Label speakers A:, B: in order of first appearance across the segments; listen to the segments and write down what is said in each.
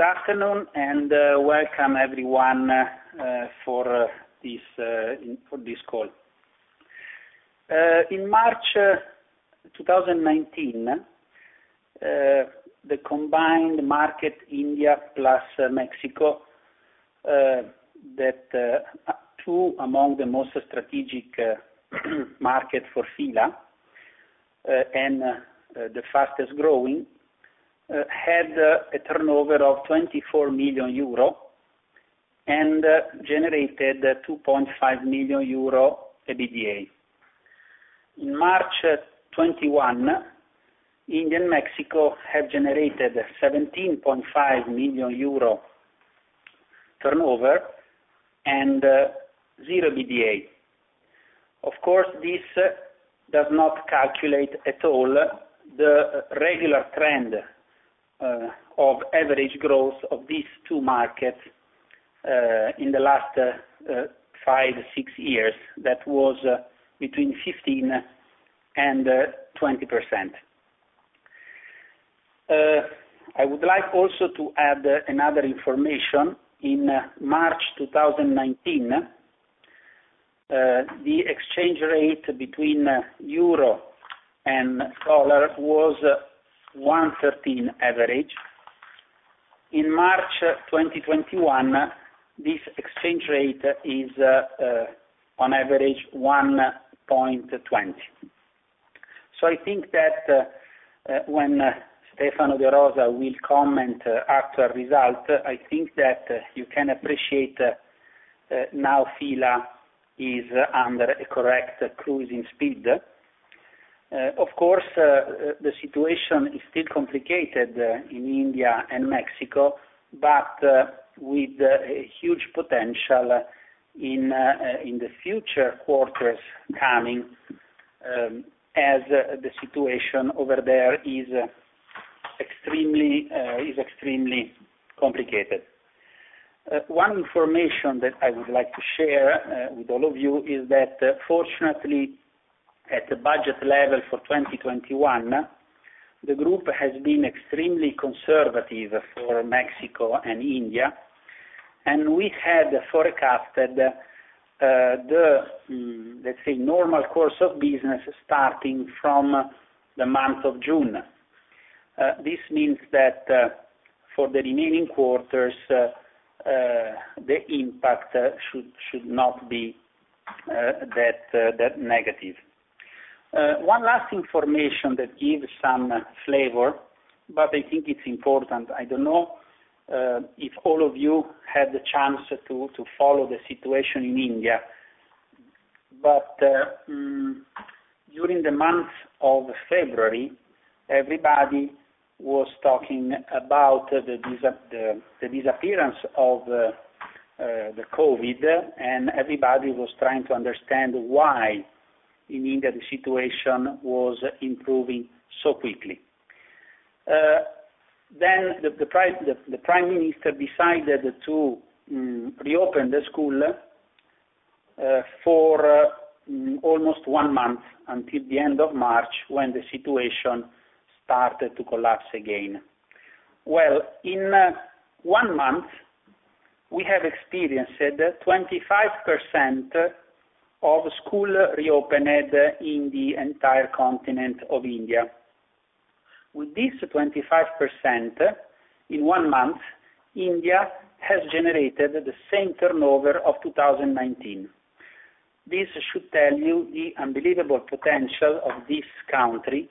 A: Good afternoon, and welcome everyone for this call. In March 2019, the combined market, India plus Mexico, two of the most strategic markets for F.I.L.A. and the fastest-growing, had a turnover of 24 million euro and generated 2.5 million euro in EBITDA. In March 2021, India and Mexico have generated a 17.5 million euro turnover and zero EBITDA. Of course, this does not calculate at all the regular trend of average growth of these two markets in the last five or six years. That was between 15%-20%. I would like also to add more information. In March 2019, the exchange rate between the euro and the dollar was 1.13 on average. In March 2021, this exchange rate was on average 1.20. I think that when Stefano De Rosa comments after the result, you can appreciate that now F.I.L.A. is under a correct cruising speed. Of course, the situation is still complicated in India and Mexico, with a huge potential in the future quarters coming, as the situation over there is extremely complicated. One information that I would like to share with all of you is that fortunately, at the budget level for 2021, the group has been extremely conservative for Mexico and India, and we had forecasted the, let's say, normal course of business starting from the month of June. This means that for the remaining quarters, the impact should not be that negative. One last information that gives some flavor, but I think it's important. I don't know if all of you had the chance to follow the situation in India, but during the month of February, everybody was talking about the disappearance of COVID, and everybody was trying to understand why, in India, the situation was improving so quickly. The prime minister decided to reopen the school for almost one month until the end of March, when the situation started to collapse again. Well, in one month, we have experienced 25% of schools reopening in the entire country. With this 25% in one month, India has generated the same turnover of 2019. This should tell you the unbelievable potential of this country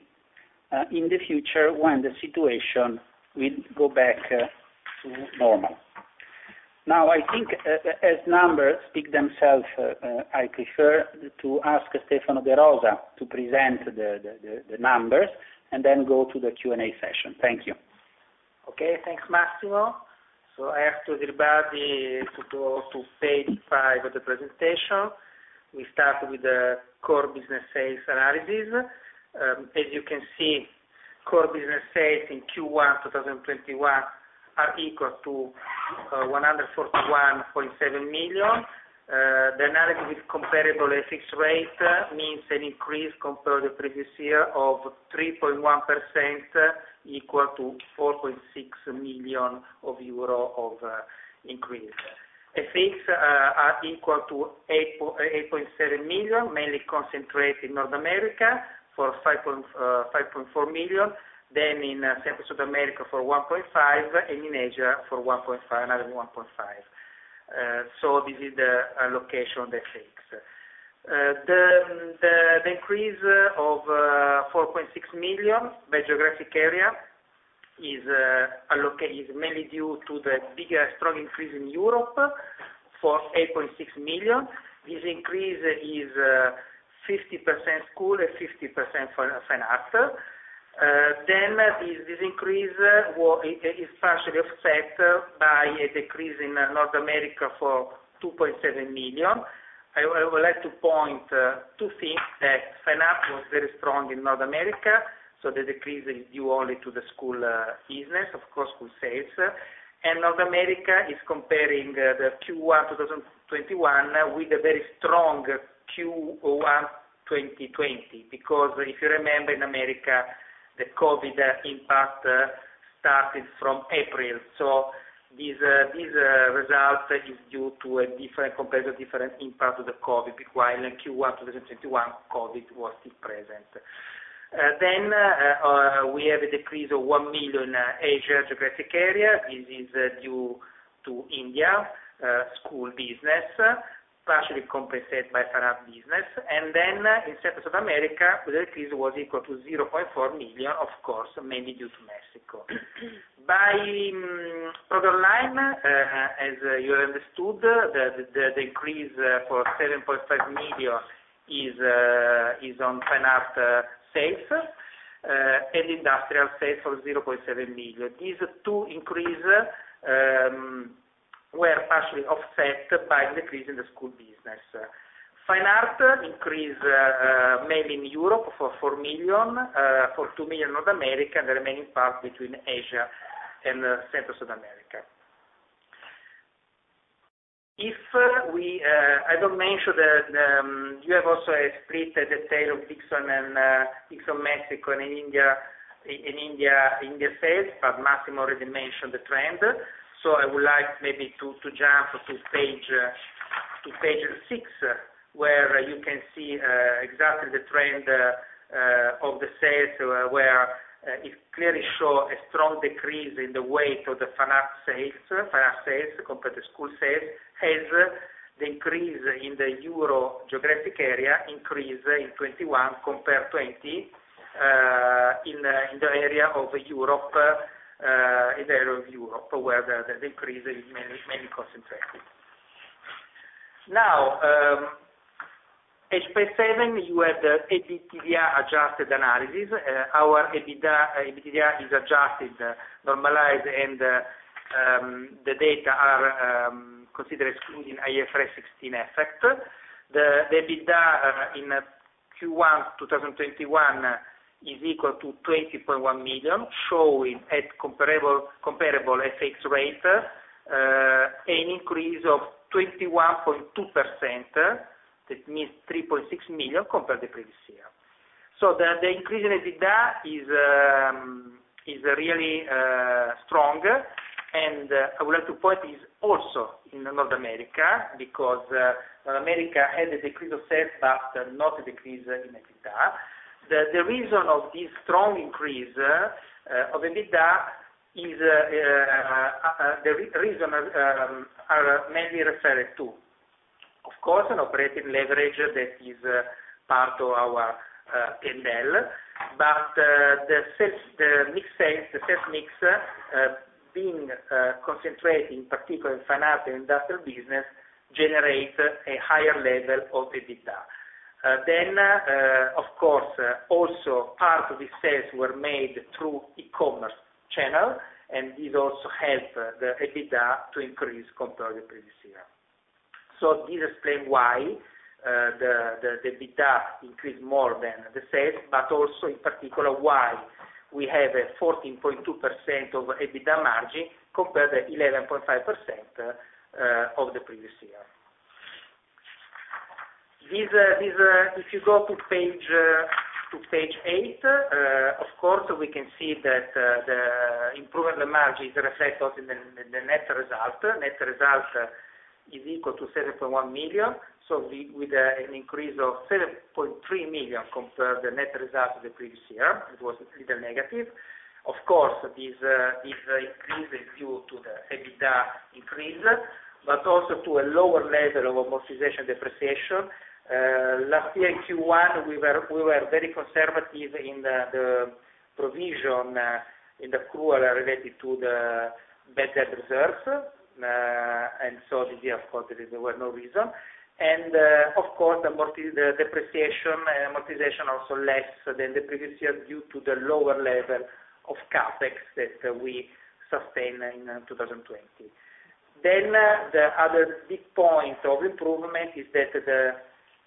A: in the future when the situation will go back to normal. I think as numbers speak for themselves, I prefer to ask Stefano De Rosa to present the numbers and then go to the Q&A session. Thank you.
B: Okay. Thanks, Massimo. I ask everybody to go to page five of the presentation. We start with the core business sales analysis. As you can see, core business sales in Q1 2021 are equal to 141.7 million. The analysis with a comparable FX rate means an increase compared to the previous year of 3.1%, equal to 4.6 million euro. FX is equal to 8.7 million, mainly concentrated in North America for 5.4 million, then in Central America for 1.5 million, and in Asia for another 1.5 million. This is the allocation of FX. The increase of 4.6 million by geographic area is allocated mainly due to the stronger increase in Europe for 8.6 million. This increase is 50% school and 50% for Fine Art. This increase is partially offset by a decrease in North America for 2.7 million. I would like to point out two things: Fine Art was very strong in North America, the decrease is due only to the school business, of course, school sales. North America is comparing Q1 2021 with a very strong Q1 2020, because if you remember, in America, COVID's impact started from April. This result is due to a completely different impact of COVID, while in Q1 2021 COVID was still present. We have a decrease of 1 million Asia geographic area. This is due to India school business, partially compensated by Fine Art business. In Central America, the decrease was equal to 0.4 million, of course, mainly due to Mexico. By product line, as you understood, the increase of 7.5 million is on Fine Art sales and industrial sales for 0.7 million. These two increases were partially offset by a decrease in the school business. Fine Art increase made in Europe by 4 million and in North America by EUR 2 million, with the remaining part between Asia and Central America. I don't mention that you also have a split at the sale of Dixon Mexico and India in India sales, Massimo already mentioned the trend. I would like maybe to jump to page six, where you can see exactly the trend of the sales, where it clearly shows a strong decrease in the weight of the Fine Art sales compared to school sales, hence the increase in the euro geographic area increase in 2021 compared to 2020 in the area of Europe, however, the decrease is mainly concentrated. Now, page seven, you have the EBITDA-adjusted analysis. Our EBITDA is adjusted and normalized, and the data are considered, including the IFRS 16 effect. The EBITDA in Q1 2021 is equal to 20.1 million, showing, at a comparable FX rate, an increase of 21.2%. That means 3.6 million compared to the previous year. The increase in EBITDA is really strong, and I would like to point out it is also in North America because America had a decrease in sales but not a decrease in EBITDA. The reasons are mainly referred to, of course, an operating leverage that is part of our P&L, but the mix of sales, the sales mix, being concentrated in particular in Fine Art and industrial business, generates a higher level of EBITDA. Of course, also part of the sales were made through the e-commerce channel; it also helped the EBITDA to increase compared to the previous year. This explains why the EBITDA increased more than the sales but also, in particular, why we have a 14.2% EBITDA margin compared to 11.5% of the previous year. If you go to page eight, of course, we can see that the improvement of the margin is reflected in the net result. Net result is equal to 7.1 million, with an increase of 7.3 million compared to the net result of the previous year, which was a little negative. Of course, this increase is due to the EBITDA increase but also to a lower level of amortization depreciation. Last year, Q1, we were very conservative in the provision in the accrual related to the better results. This year, of course, there were no reasons. Of course, amortization and depreciation were also less than the previous year due to the lower level of CapEx that we sustained in 2020. The other big point of improvement is that the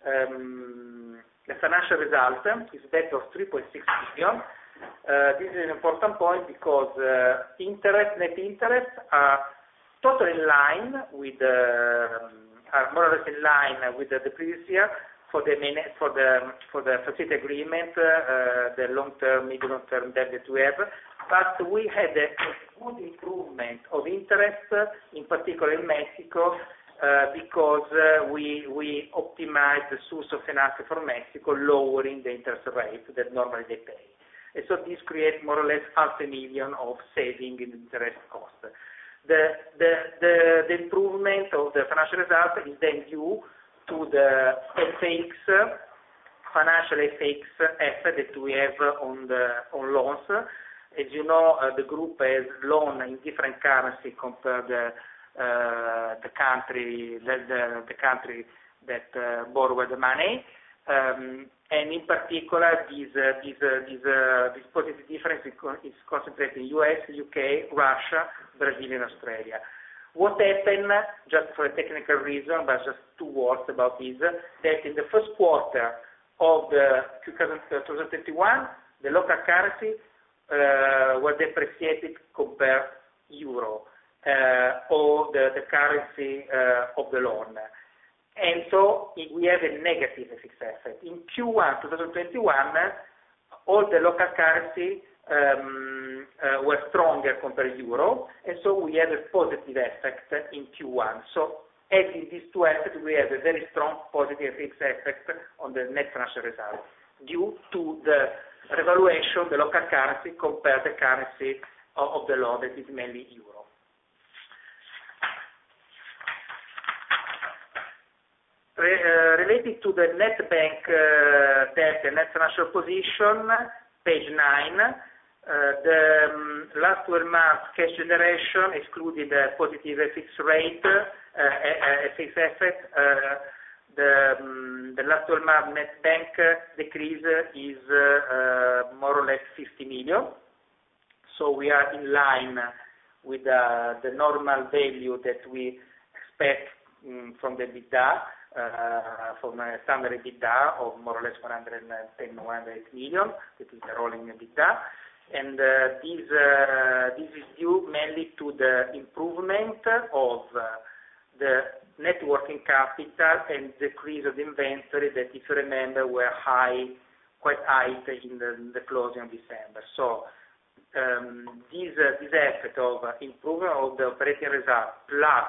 B: financial result is 3.6 million. This is an important point because net interest are more or less in line with the previous year for the facility agreement and the long-term, medium-term debt that we have. We had a good improvement of interest, in particular in Mexico, because we optimized the source of finance for Mexico, lowering the interest rate, the normal rate. This creates more or less half a million in savings in interest costs. The improvement of the financial result is due to the financial FX effect that we have on loans. As you know, the group has a loan in a different currency compared to the country that borrowed the money. In particular, this positive difference is concentrated in the U.S., U.K., Russia, Brazil, and Australia. What happened was just for a technical reason, but just two words about this: in the first quarter of 2021, the local currency was depreciated compared to the euro or the currency of the loan. So we have a negative FX effect. In Q1 2021, all the local currencies were stronger compared to the euro, we had a positive effect in Q1. Adding these two effects, we had a very strong positive FX effect on the net financial results due to the revaluation of the local currency compared to the currency of the loan, which is mainly euro. Related to the net bank debt, the net financial position, page nine, and the last 12 months' cash generation, excluding the positive FX rate and FX effect, the last 12 months' net bank decrease is more or less 50 million. We are in line with the normal value that we expect from the EBITDA, from the summary EBITDA of more or less 110 million, EUR 108 million, and the rolling EBITDA. This is due mainly to the improvement of the net working capital and decrease of inventory that, if you remember, were quite high at the close of December. This effect of improvement of the operating result plus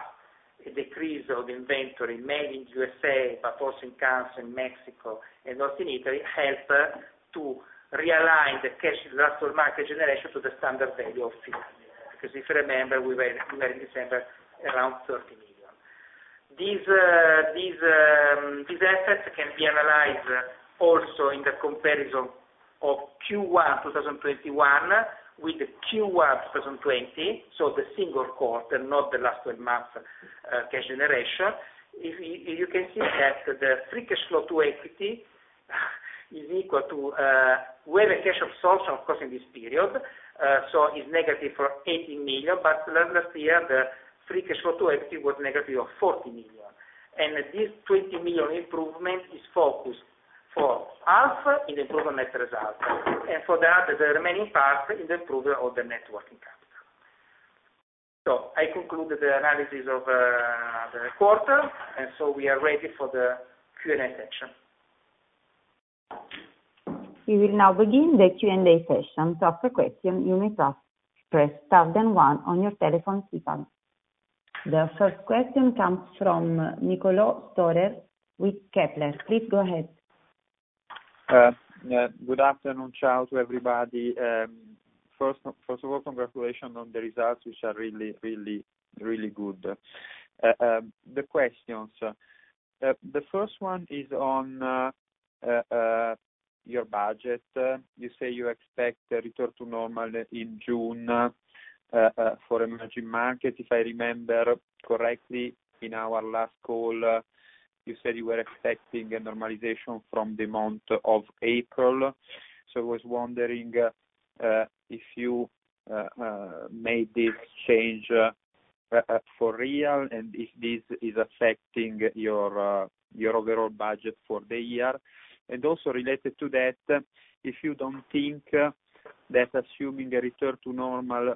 B: a decrease of inventory, mainly in the U.S., but also in France, in Mexico, and also in Italy, helped to realign the cash generation of the last 12 months to the standard value of EUR 15 million. Because if you remember, we were in December around 30 million. These effects can be analyzed also in the comparison of Q1 2021 with Q1 2020, so the single quarter, not the last 12 months' cash generation. We had a cash absorption, of course, in this period, so it's negative for EUR 80 million, but last year, the free cash flow to equity was negative for 40 million. This 20 million improvement is focused half on improving the net result and on the other remaining part on the improvement of the net working capital. I conclude the analysis of the quarter, and so we are ready for the Q&A session.
C: We will now begin the Q&A session. To ask a question, you may press star, then one on your telephone keypad. The first question comes from Niccolò Storer with Kepler. Please go ahead.
D: Good afternoon. Ciao to everybody. First of all, congratulations on the results, which are really, really, really good. The questions. The first one is on your budget. You say you expect a return to normal in June for emerging markets. If I remember correctly, in our last call, you said you were expecting a normalization in the month of April. I was wondering if you made this change for real and if this is affecting your overall budget for the year. Also related to that, you don't think that assuming a return to normal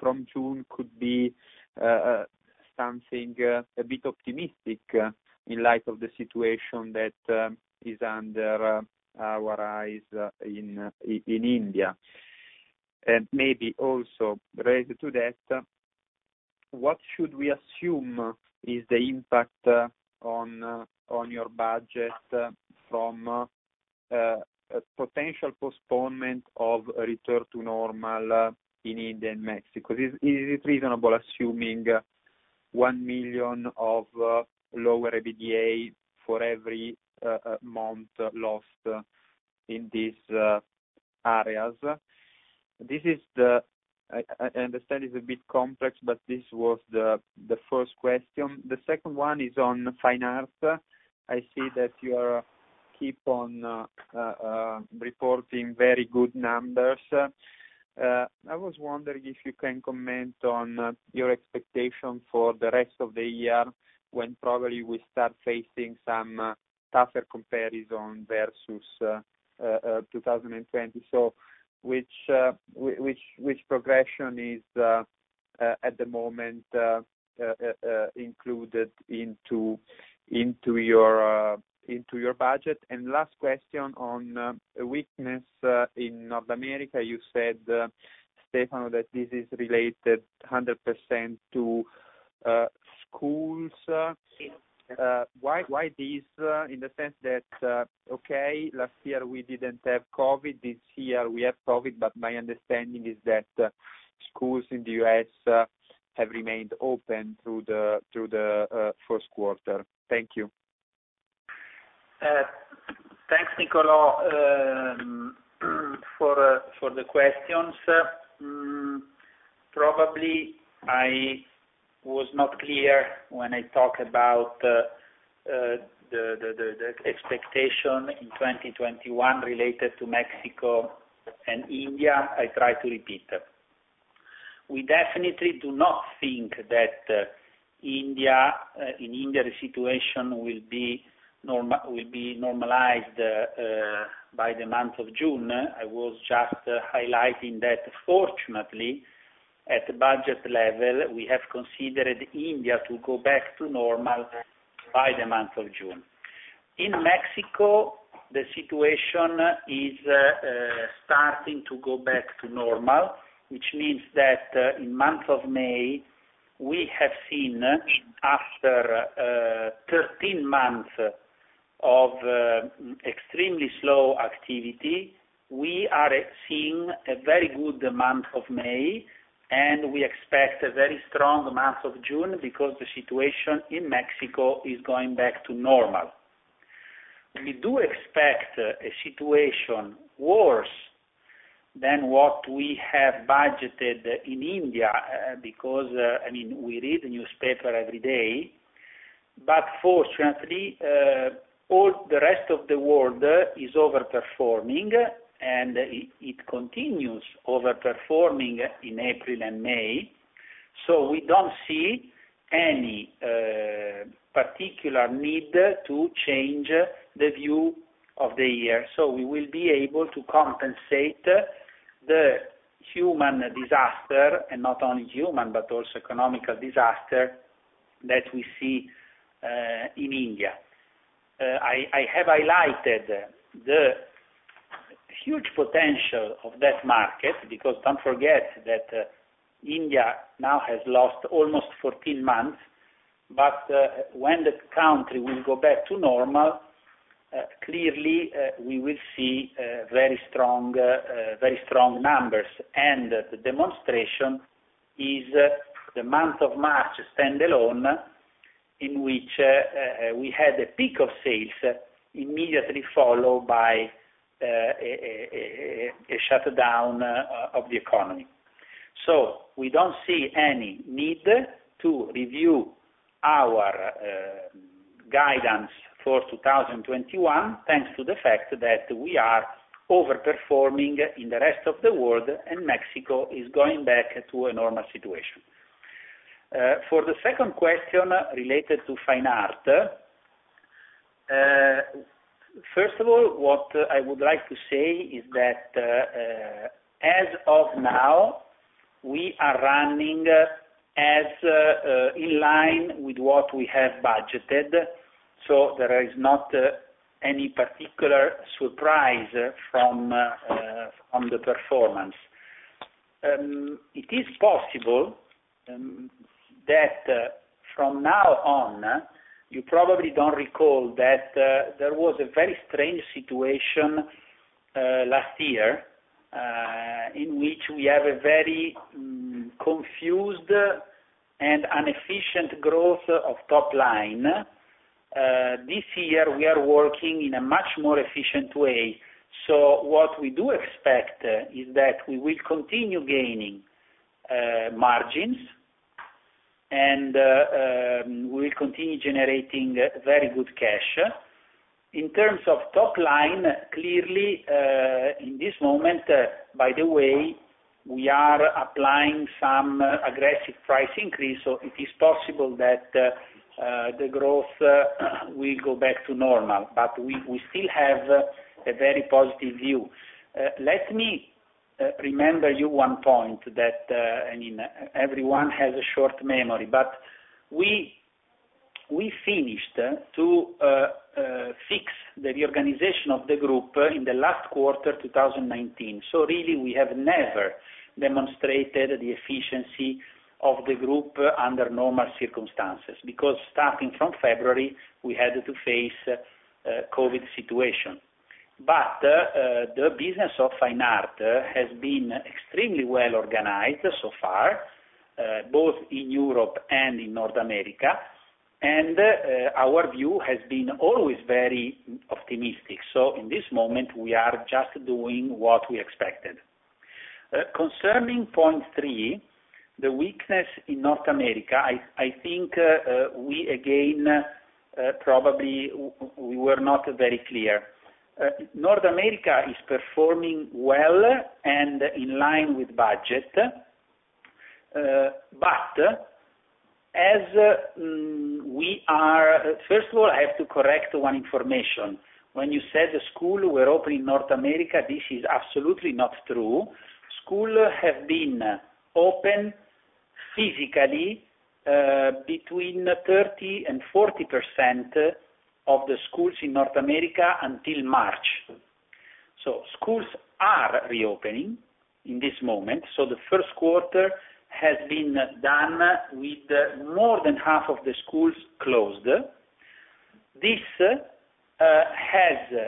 D: from June could be something a bit optimistic in light of the situation that is under our eyes in India. Maybe also related to that, what should we assume is the impact on your budget from a potential postponement of a return to normal in India and Mexico? Is it reasonable assuming 1 million of lower EBITDA for every month lost in these areas? I understand it's a bit complex, this was the first question. The second one is on finance. I see that you keep on reporting very good numbers. I was wondering if you could comment on your expectation for the rest of the year, when probably we start facing some tougher comparisons versus 2020. Which progression is, at the moment, included in your budget? Last question on weakness in North America. You said, Stefano, that this is related 100% to schools.
B: Yes.
D: Why this? In the sense that, okay, last year we didn't have COVID, this year we have COVID, but my understanding is that schools in the U.S. have remained open through the first quarter. Thank you.
A: Thanks, Niccolò, for the questions. Probably, I was not clear when I talked about the expectation in 2021 related to Mexico and India. I try to repeat. We definitely do not think that in India, the situation will be normalized by the month of June. I was just highlighting that, fortunately at the budget level, we have considered India to go back to normal by the month of June. In Mexico, the situation is starting to go back to normal, which means that in the month of May, we have seen, after 13 months of extremely slow activity, a very good month of May, and we expect a very strong month of June because the situation in Mexico is going back to normal. We do expect a situation worse than what we have budgeted in India, because we read the newspaper every day. Fortunately, all the rest of the world is overperforming, and it continues overperforming in April and May. We don't see any particular need to change the view of the year. We will be able to compensate for the human disaster and not only the human but also the economical disaster that we see in India. I have highlighted the huge potential of that market, because don't forget that India now has lost almost 14 months. When that country goes back to normal, clearly, we will see very strong numbers. The demonstration is in the month of March, stand-alone, in which we had a peak of sales immediately followed by a shutdown of the economy. We don't see any need to review our guidance for 2021, thanks to the fact that we are overperforming in the rest of the world and Mexico is going back to a normal situation. For the second question related to Fine Art, first of all, what I would like to say is that, as of now, we are running in line with what we have budgeted. There is not any particular surprise from the performance. It is possible that from now on, you probably don't recall that there was a very strange situation last year in which we had a very confused and inefficient growth of the top line. This year, we are working in a much more efficient way. What we do expect is that we will continue gaining margins, and we will continue generating very good cash. In terms of top line, clearly, in this moment, by the way, we are applying some aggressive price increase, so it is possible that the growth will go back to normal. We still have a very positive view. Let me remind you of one point: everyone has a short memory, but we finished fixing the reorganization of the group in the last quarter of 2019. Really, we have never demonstrated the efficiency of the group under normal circumstances, because starting from February, we had to face a COVID situation. The business of Fine Art has been extremely well-organized so far, both in Europe and in North America, and our view has always been very optimistic. In this moment, we are just doing what we expected. Concerning point three, the weakness in North America, I think we, again, probably were not very clear. North America is performing well and in line with budget. First of all, I have to correct one piece of information. When you said the schools were open in North America, this is absolutely not true. Schools have been open physically between 30% and 40% of the schools in North America until March. Schools are reopening in this moment. The first quarter has been done with more than half of the schools closed. This has,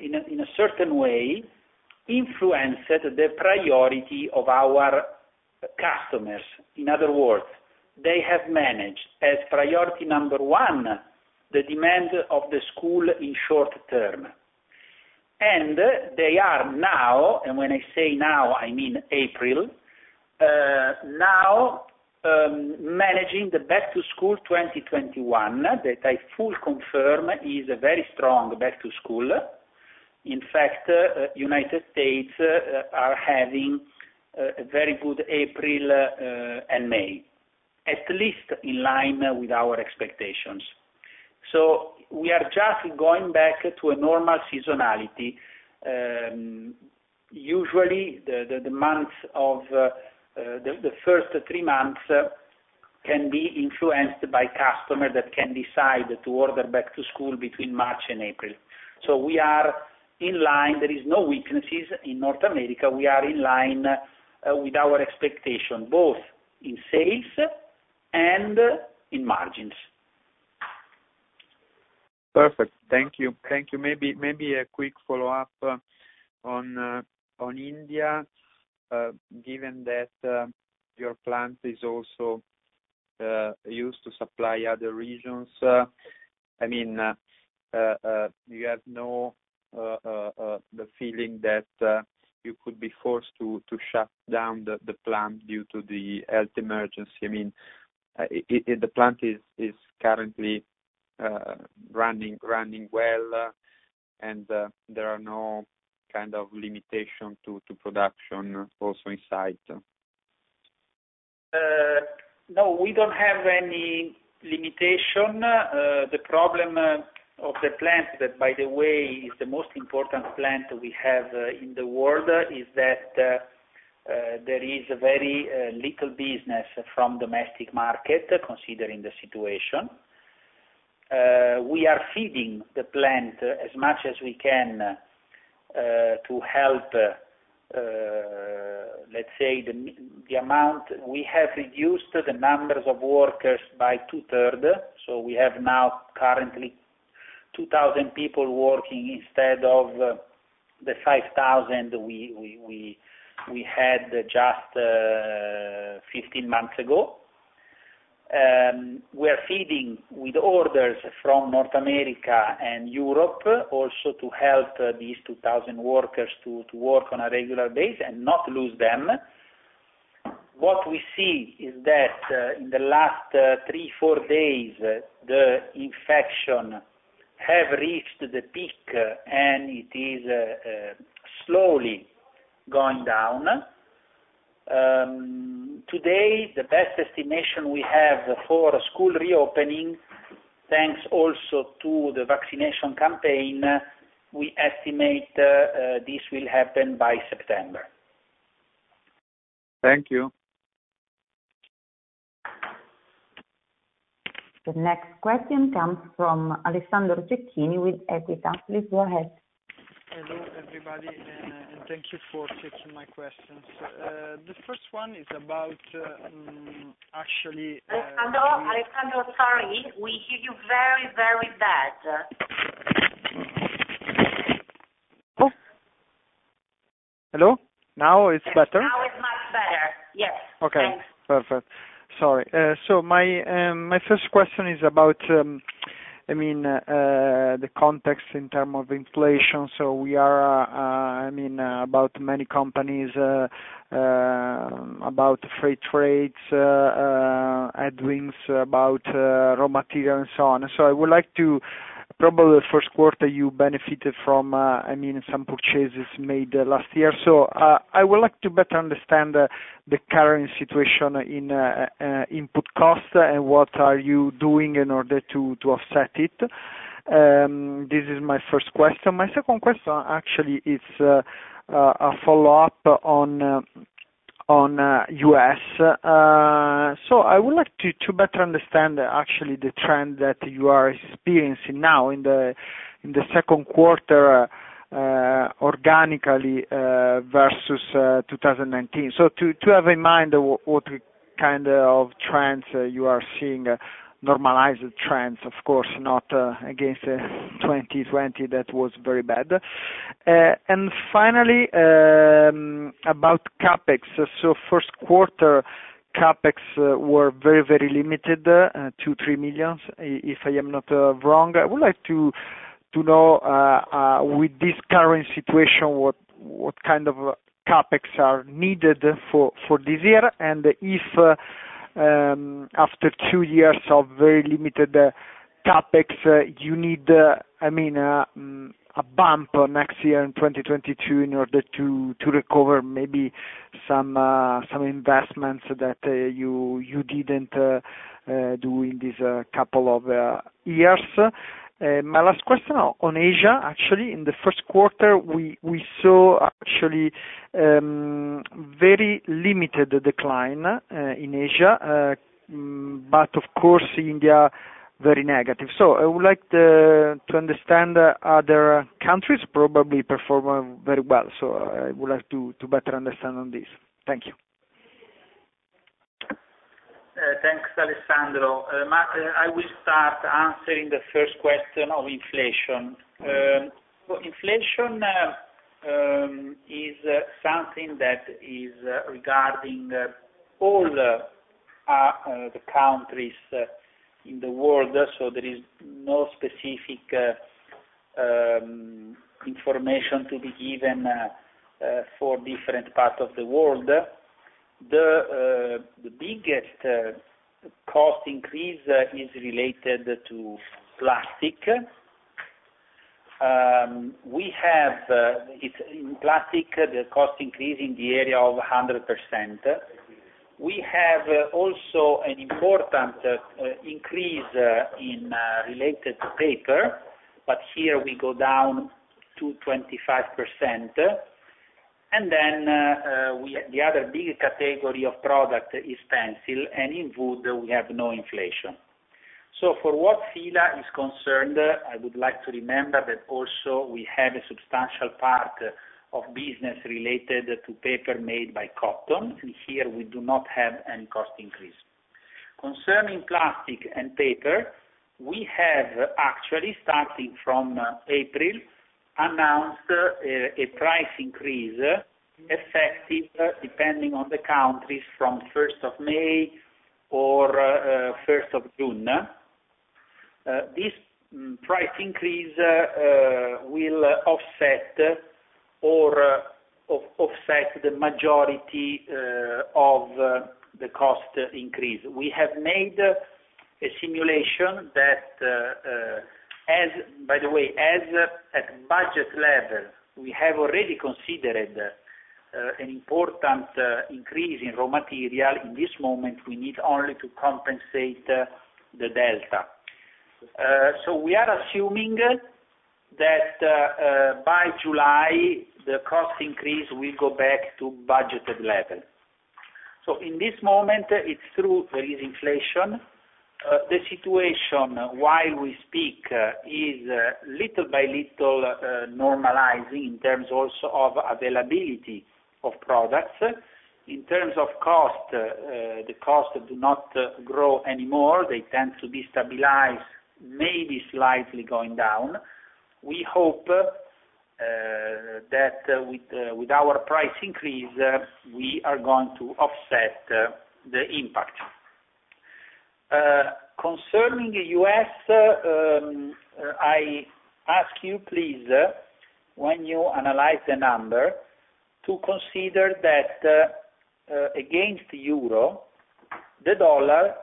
A: in a certain way, influenced the priority of our customers. In other words, they have managed as priority number one the demand of the school in the short term. They are now, and when I say now, I mean April, now managing the Back to School 2021, which I fully confirm is a very strong Back to School. In fact, the United States are having a very good April and May, at least in line with our expectations. We are just going back to a normal seasonality. Usually, the first three months can be influenced by customers that can decide to order back to school between March and April. We are in line. There are no weaknesses in North America. We are in line with our expectations, both in sales and in margins.
D: Perfect. Thank you. Maybe a quick follow-up on India, given that your plant is also used to supply other regions. Do you have the feeling that you could be forced to shut down the plant due to the health emergency? Are there no kinds of limitations to production also in sight?
A: No, we don't have any limitation. The problem with the plant, which by the way is the most important plant we have in the world, is that there is very little business from the domestic market, considering the situation. We are feeding the plant as much as we can to help. We have reduced the numbers of workers by two-thirds, so we now currently have 2,000 people working instead of the 5,000 we had just 15 months ago. We are feeding them with orders from North America and Europe, also to help these 2,000 workers to work on a regular basis and not lose them. What we see is that in the last three or four days, the infections have reached the peak, and they are slowly going down. Today, the best estimation we have for school reopening, thanks also to the vaccination campaign, is that we estimate this will happen by September.
D: Thank you.
C: The next question comes from Alessandro Cecchini with Equita. Please go ahead.
E: Hello, everybody, and thank you for taking my questions. The first one is about.
C: Alessandro, sorry, we hear you very, very badly.
E: Hello? Now it's better?
C: Now it's much better. Yes.
E: Okay, perfect. Sorry. My first question is about the context in terms of inflation. About many companies, about freight rates, about raw materials and so on. Probably the first quarter, you benefited from some purchases made last year. I would like to better understand the current situation in input costs and what are you doing in order to offset it? This is my first question. My second question, actually, is a follow-up on the U.S. I would like to better understand, actually, the trend that you are experiencing now in the second quarter, organically, versus 2019. To have in mind what kind of trends you are seeing, normalized trends, of course, not against 2020. That was very bad. Finally, about CapEx. First quarter, CapEx was very limited, 2 million-3 million, if I am not wrong. I would like to know, with this current situation, what kind of CapEx are needed for this year and if, after two years of very limited CapEx, you need a bump next year in 2022 in order to recover maybe some investments that you didn't do in these couple of years? My last question on Asia. In the first quarter, we saw actually a very limited decline in Asia. Of course, India is very negative. I would like to understand how other countries probably perform very well. I would like to better understand this. Thank you.
A: Thanks, Alessandro. I will start answering the first question of inflation. Inflation is something that regards all the countries in the world. There is no specific information to be given for different parts of the world. The biggest cost increase is related to plastic. In plastic, the cost increase is in the area of 100%. We also have an important increase in related papers, but here we go down to 25%. The other big category of product is pencil, and in wood, we have no inflation. As far as F.I.L.A. is concerned, I would like to remember that also, we have a substantial part of business related to paper made by Canson. Here, we do not have any cost increase. Concerning plastic and paper, we have, actually, starting from April, announced a price increase effective, depending on the country, from the 1st of May or the 1st of June. This price increase will offset the majority of the cost increase. We have made a simulation that, by the way, at the budget level, we have already considered an important increase in raw material. In this moment, we need only to compensate the delta. We are assuming that by July, the cost increase will go back to the budgeted level. In this moment, it's true, there is inflation. The situation while we speak is little by little normalizing in terms also of availability of products. In terms of cost, the costs do not grow anymore. They tend to destabilize, maybe slightly going down. We hope that with our price increase, we are going to offset the impact. Concerning the U.S., I ask you, please, when you analyze the number, to consider that against the euro, the dollar,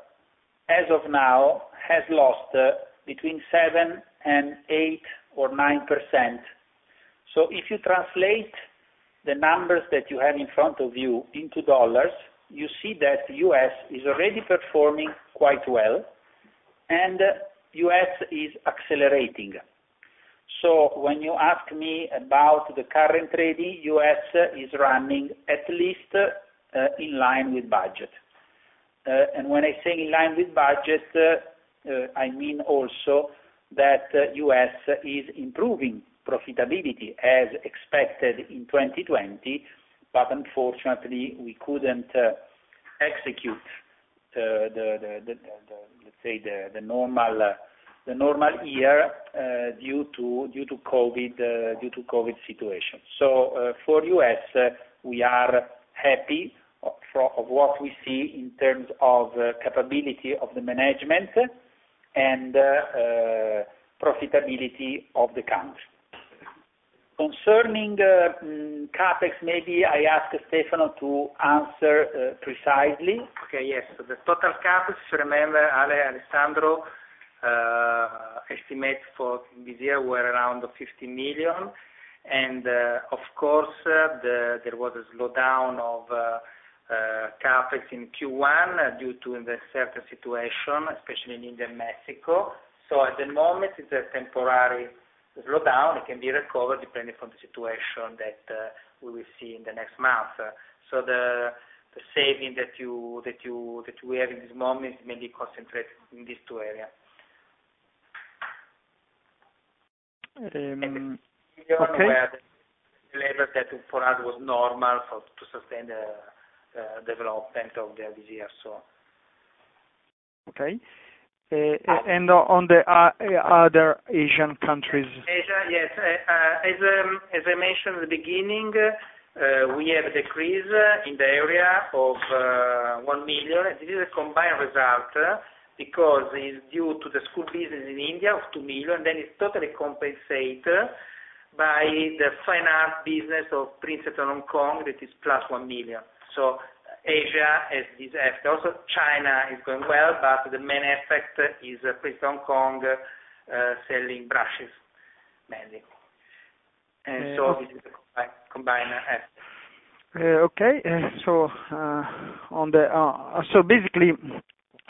A: as of now, has lost between 7% and 8% or 9%. If you translate the numbers that you have in front of you into dollars, you see that the U.S. is already performing quite well, and the U.S. is accelerating. When you ask me about the current trading, the U.S. is running at least in line with the budget. When I say in line with budget, I mean also that the U.S. is improving profitability as expected in 2020, but unfortunately, we couldn't execute a normal year due to the COVID situation. For the U.S., we are happy with what we see in terms of capability of the management and profitability of the country. Concerning the CapEx, maybe I'll ask Stefano to answer precisely.
B: Okay, yes. The total CapEx, if you remember, Alessandro estimates for this year to be around 15 million. Of course, there was a slowdown of CapEx in Q1 due to the certain situation, especially in India and Mexico. At the moment, it's a temporary slowdown. It can be recovered depending on the situation that we will see in the next months. The saving that we have at the moment may be concentrated in these two areas.
E: Okay.
B: In general, we have a level that for us was normal to sustain the development of the year.
E: Okay. On the other Asian countries?
B: Asia, yes. As I mentioned at the beginning, we have a decrease in the area of 1 million. This is a combined result because it's due to the school business in India of 2 million, and then it's totally compensated by the Fine Art business of Princeton of Hong Kong, which is plus 1 million. Asia is affected. Also, China is going well, but the main effect is Princeton of Hong Kong selling brushes, mainly. This is a combined effect.
E: Okay. Basically,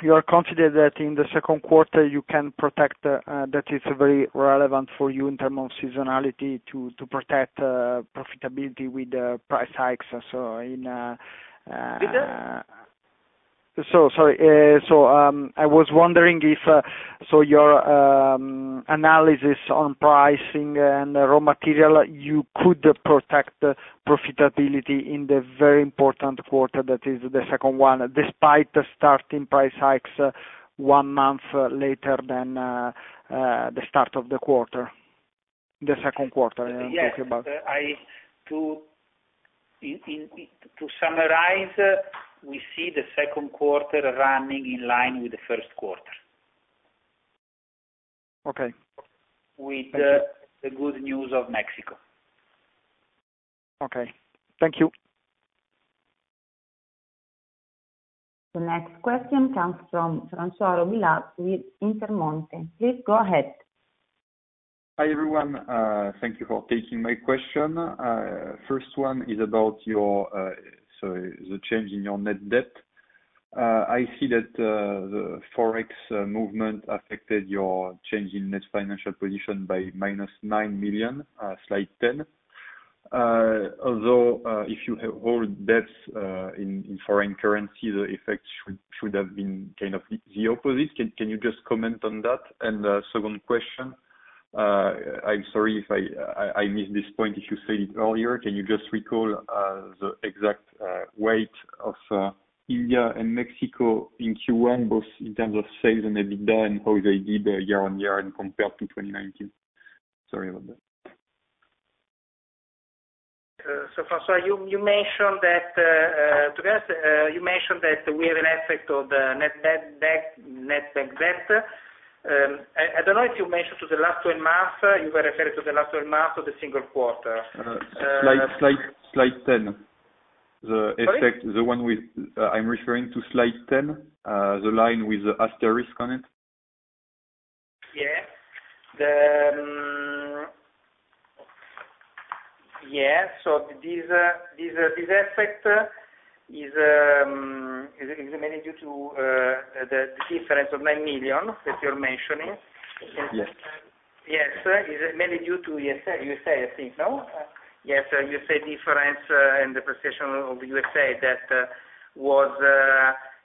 E: you are confident that in the second quarter, you can protect That it's very relevant for you in terms of seasonality to protect profitability with price hikes.
B: Pardon?
E: Sorry. I was wondering if, with your analysis on pricing and raw material, you could protect profitability in the very important quarter that is the second one, despite starting price hikes one month later than the start of the quarter? The second quarter, I'm talking about.
A: Yes. To summarize, we see the second quarter running in line with the first quarter.
E: Okay.
A: With the good news of Mexico.
E: Okay. Thank you.
C: The next question comes from Alberto Villa with Intermonte. Please go ahead.
F: Hi, everyone. Thank you for taking my question. First one is about the change in your net debt. I see that the Forex movement affected your change in net financial position by -9 million, slide 10. If you hold debts in foreign currency, the effect should have been kind of the opposite. Can you just comment on that? The second question: I'm sorry if I missed this point, if you said it earlier, can you just recall the exact weight of India and Mexico in Q1, both in terms of sales and EBITDA, and how they did year on year compared to 2019? Sorry about that.
B: Alberto, you mentioned that we have an effect of net debt. I don't know if you mentioned the last 12 months; were you referring to the last 12 months or the single quarter?
F: Slide 10.
B: Sorry?
F: I'm referring to slide 10, the line with the asterisk on it.
B: Yeah. This effect is mainly due to the difference of 9 million that you're mentioning.
F: Yes.
B: Yes. This is mainly due to the U.S., I think, no? Yes, the U.S. difference and the appreciation of the U.S. that was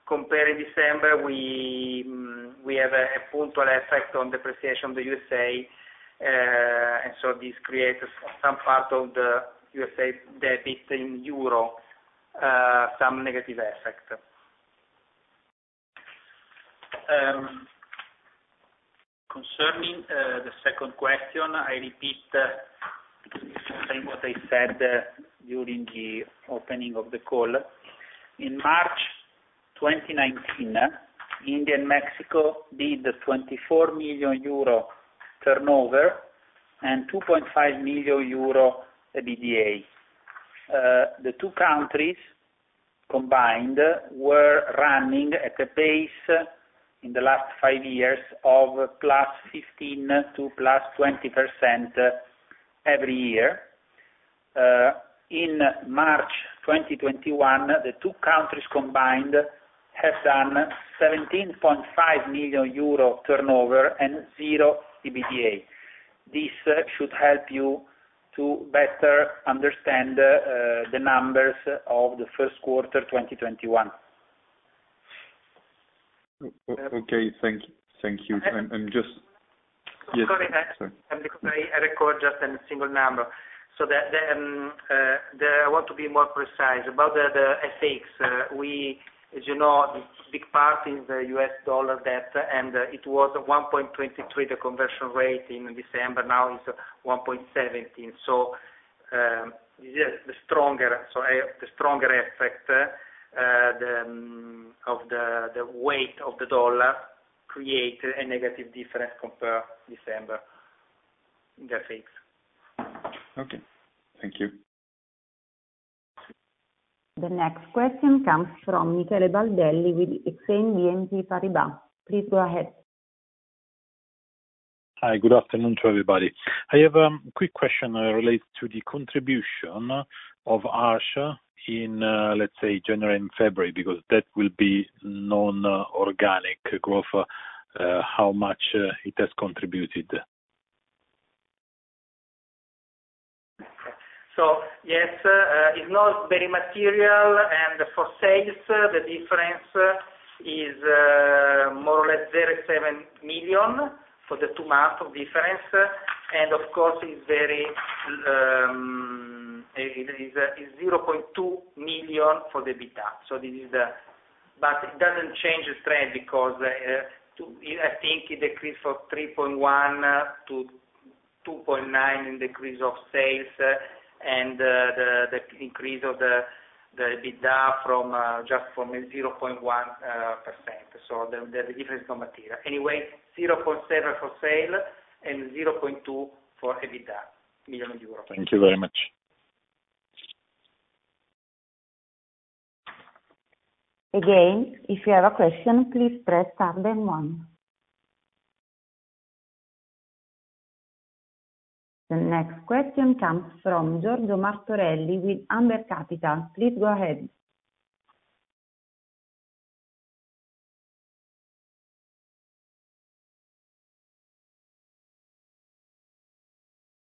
B: compared to December have a full-time effect on the appreciation of the U.S. This creates some part of the U.S. debt in euro, a negative effect.
A: Concerning the second question, I repeat the same thing I said during the opening of the call. In March 2019, India and Mexico did 24 million euro in turnover and 2.5 million euro in EBITDA. The two countries combined were running at a pace in the last five years of +15% to +20% every year. In March 2021, the two countries combined have done a 17.5 million euro turnover and zero EBITDA. This should help you to better understand the numbers of the first quarter of 2021.
F: Okay, thank you.
B: Sorry, I recorded just a single number. I want to be more precise about the effects. As you know, the big part is the U.S. dollar debt, and it was 1.23, the conversion rate in December, now it's 1.17. The stronger effect of the weight of the dollar created a negative difference compared to December in the effects.
F: Okay, thank you.
C: The next question comes from Michele Baldelli with Exane BNP Paribas. Please go ahead.
G: Hi, good afternoon to everybody. I have a quick question that relates to the contribution of Arches in, let's say, January and February, because that will be non-organic growth, how much has it contributed?
B: Yes, it's not very material. For sales, the difference is more or less 0.7 million for the two months of difference. Of course, it's 0.2 million for the EBITDA. It doesn't change the trend because I think the decrease of 3.1%-2.9% in the decrease of sales and the increase of the EBITDA from just 0.1%. The difference is not material. Anyway, 0.7 million for sale and 0.2 million for EBITDA.
G: Thank you very much.
C: The next question comes from Giorgio Martorelli with Amber Capital. Please go ahead.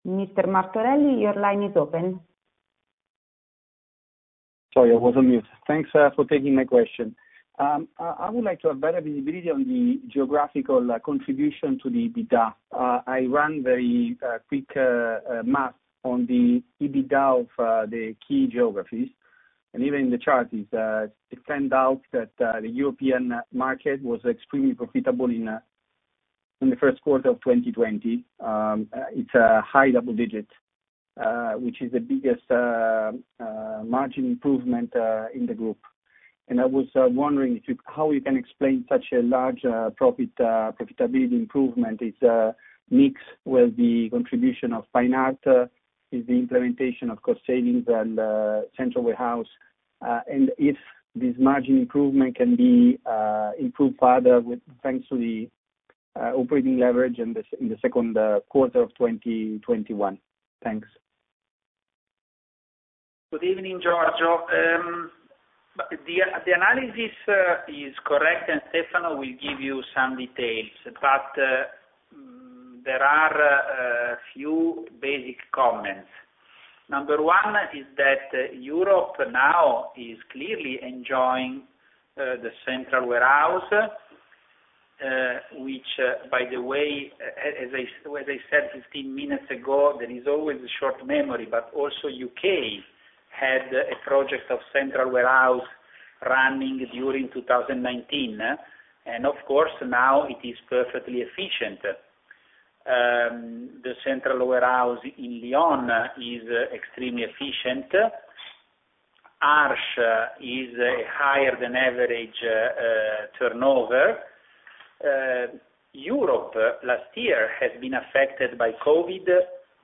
C: Mr. Martorelli, your line is open.
H: Sorry, I was on mute. Thanks for taking my question. I would like to have availability on the geographical contribution to the EBITDA. I ran a very quick math on the EBITDA of the key geographies, and even in the charts, it turned out that the European market was extremely profitable in the first quarter of 2020. It's a high double digit, which is the biggest margin improvement in the group. I was wondering how we can explain such a large profitability improvement. Is it mixed with the contribution of Fine Art? Is the implementation of cost savings and a central warehouse, and can this margin improvement be improved further with thanks to the operating leverage in the second quarter of 2021? Thanks.
A: Good evening, Giorgio. The analysis is correct, and Stefano will give you some details. There are a few basic comments. Number one is that Europe now is clearly enjoying the central warehouse. Which, by the way, as I said 15 minutes ago, there is always a short memory, but also the U.K. had a project of a central warehouse running during 2019, and, of course, now it is perfectly efficient. The central warehouse in Léon is extremely efficient. Arches has a higher-than-average turnover. Europe last year had been affected by COVID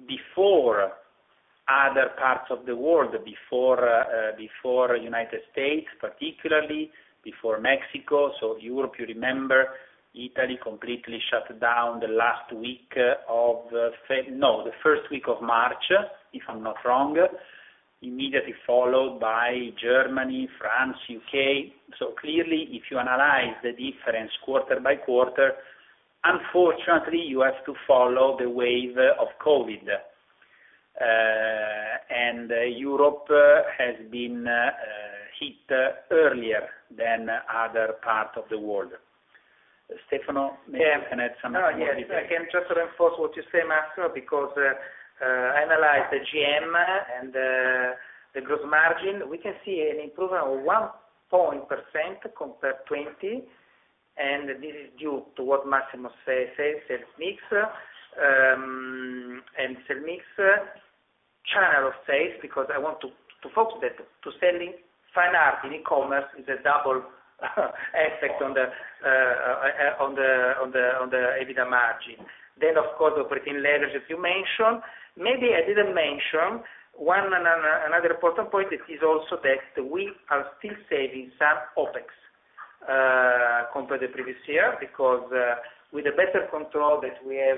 A: before other parts of the world, before the United States, and particularly before Mexico. Europe, you remember, Italy completely shut down the first week of March, if I'm not wrong, immediately followed by Germany, France, and the U.K. Clearly, if you analyze the difference quarter by quarter, unfortunately, you have to follow the wave of COVID. Europe has been hit earlier than other parts of the world. Stefano may have some more details.
B: I can just reinforce what you say, Massimo, because analyzing the GM and the gross margin, we can see an improvement of 1% compared to [2020]. This is due to what Massimo says: sales mix. Sales mix and channel sales, because I want to focus on selling Fine Art in e-commerce as a double asset on the EBITDA margin. Of course, operating leverage, as you mentioned. Maybe I didn't mention another important point is also that we are still saving some OPEX compared to the previous year because of the better control that we have,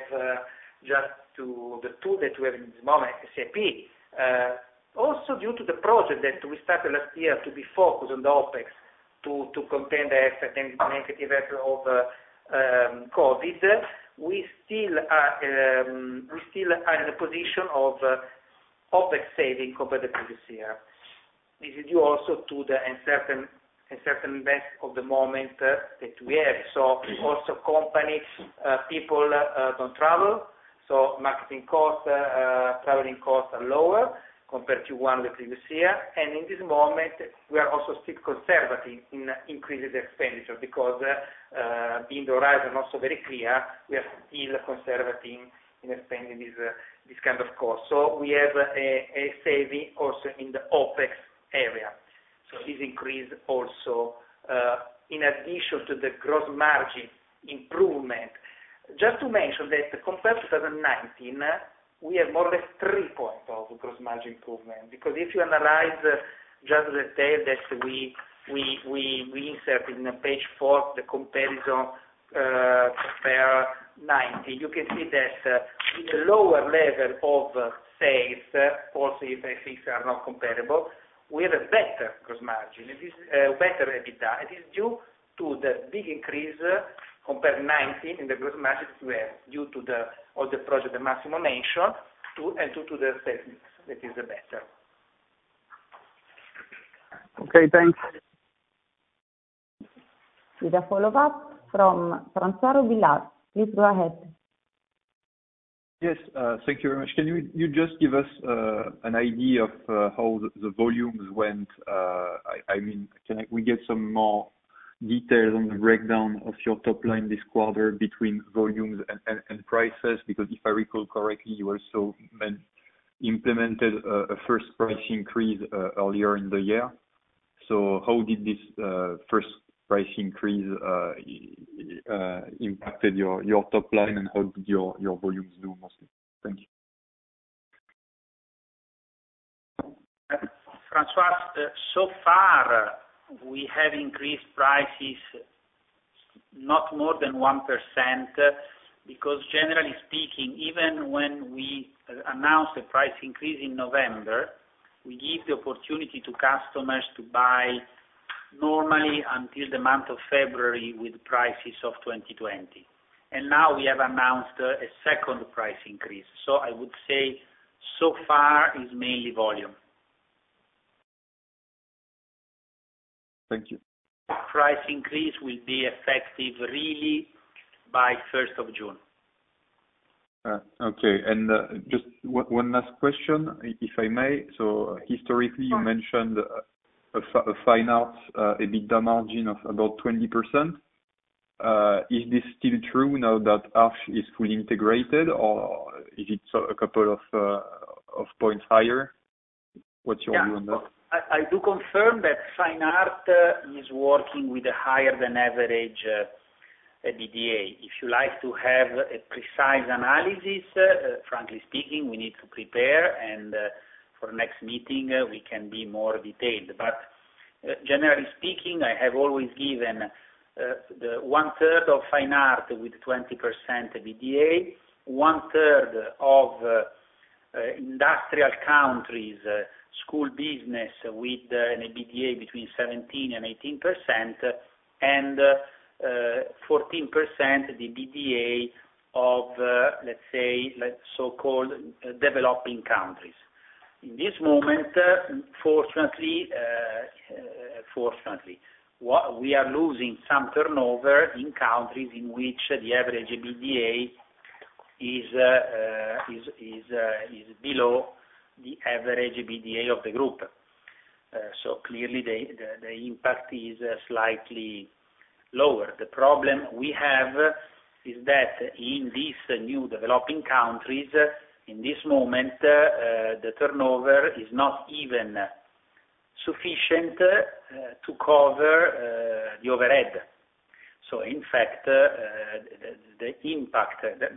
B: just with the tool that we have at this moment, SAP. Due to the project that we started last year to be focused on OPEX to contain the effect and negative effect of COVID, we still are in a position of OPEX saving compared to the previous year. This is due also to the uncertain event of the moment that we have. Also, company people don't travel, so marketing costs and traveling costs are lower compared to the previous year. In this moment, we are also still conservative in increasing the expenditure because the horizon is also very clear, so we are still conservative in expanding this kind of cost. We have a saving also in the OPEX area. This increase is also in addition to the gross margin improvement. Just to mention that compared to 2019, we have more than three points of gross margin improvement because if you analyze just the sale that we insert on page four, the comparison is compared to 2019. You can see that with a lower level of sales, of course, if basics are not comparable, we have a better gross margin. This is a better EBITDA. This is due to the big increase compared to 2019 in the gross margins we have, due to all the projects that Massimo mentioned, two, and due to the sales mix that is better. Okay, thanks.
C: We have a follow-up from Alberto Villa. Please go ahead.
F: Yes, thank you very much. Can you just give us an idea of how the volumes went? Can we get some more detail and breakdown of your top line this quarter between volumes and prices? If I recall correctly, you also implemented a first price increase earlier in the year. How did this first price increase impact your top line, and how did your volumes move? Thank you.
A: Alberto, so far, we have increased prices not more than 1%, because generally speaking, even when we announce a price increase in November, we give the opportunity to customers to buy normally until the month of February with prices of 2020. Now we have announced a second price increase. I would say, so far, it's mainly volume.
F: Thank you.
A: Price increase will be effective really by 1st of June.
F: Just one last question, if I may. Historically, you mentioned a Fine Art EBITDA margin of about 20%. Is this still true now that Arches is fully integrated, or is it a couple of points higher?
A: I do confirm that Fine Art is working with a higher-than-average EBITDA. If you like to have a precise analysis, frankly speaking, we need to prepare, and for the next meeting, we can be more detailed. Generally speaking, I have always given one-third of Fine Art with 20% EBITDA, one-third of industrial countries' school business with an EBITDA between 17% and 18%, and 14% EBITDA of, let's say, so-called developing countries. In this moment, fortunately, we are losing some turnover in countries in which the average EBITDA is below the average EBITDA of the group. Clearly, the impact is slightly lower. The problem we have is that in these new developing countries, in this moment, the turnover is not even sufficient to cover the overhead. In fact,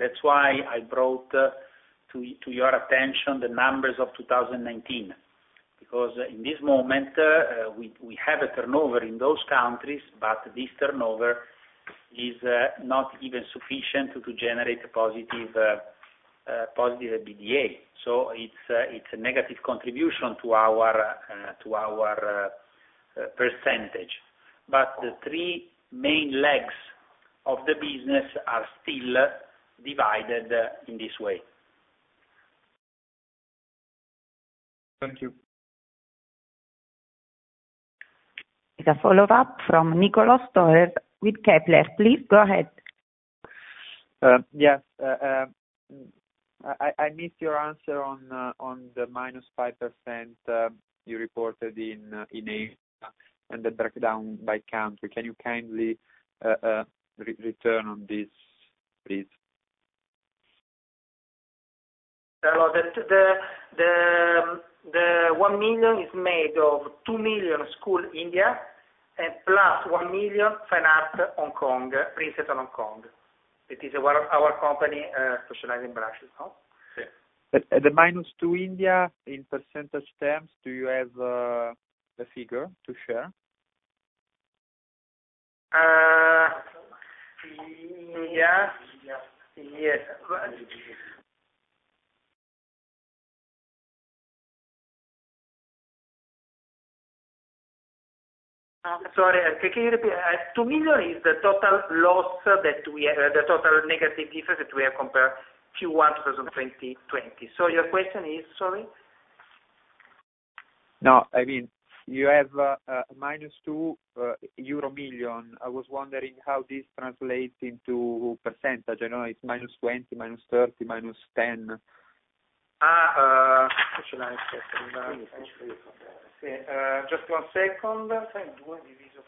A: that's why I brought to your attention the numbers of 2019, because in this moment, we have a turnover in those countries, but this turnover is not even sufficient to generate a positive EBITDA. It's a negative contribution to our percentage. The three main legs of the business are still divided in this way.
F: Thank you.
C: Is a follow-up from Niccolò Storer with Kepler. Please, go ahead.
D: Yes. I missed your answer on the -5% you reported in Asia and the breakdown by country. Can you kindly comment on this, please?
B: The 1 million is made of 2 million for school in India and plus 1 million Fine Art Hong Kong and Princeton, Hong Kong. It is our company specializing in brushes.
D: The -2 million in India, in percentage terms, do you have a figure to share?
B: India?
D: Yes.
B: Sorry, 2 million is the total loss, the total negative effect that we have compared to Q1 2020. Your question is, sorry?
D: No, you have -2 million euro. I was wondering how this translates into a percentage. I know it's -20%, -30%, and -10%.
B: Just one second.
D: Yeah.
B: We will go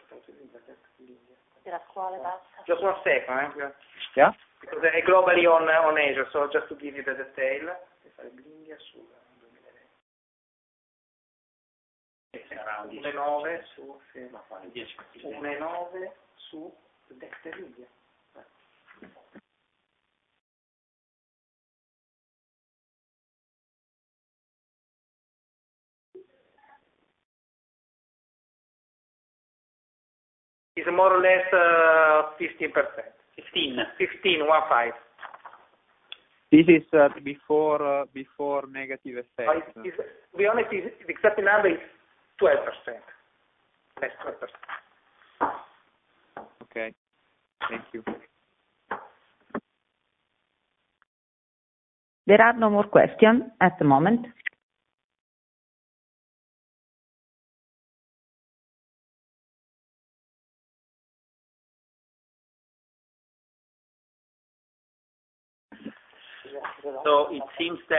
B: back to Asia, so just to give you the detail. It is more or less 15%.
D: 15?
A: 15.5%.
D: This is before negative effect?
B: We only did. Exactly, now it's 12%.
D: Okay. Thank you.
C: There are no more questions at the moment.